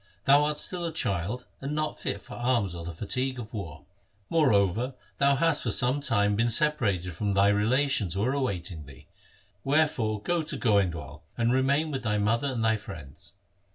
Thou art still a child and not fit for arms or the fatigue of war. Moreover, thou hast for some time been separated from thy relations who are awaiting thee. Wherefore go to Goindwal, and remain with thy mother and thy friends.'